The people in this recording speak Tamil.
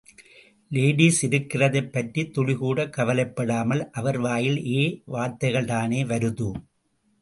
லேடீஸ் இருக்கிறதைப் பற்றித் துளிக்கூடக் கவலைப்படாமல் அவர் வாயில் ஏ வார்தைகள்தானே வருது.